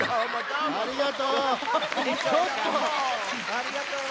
ありがとう！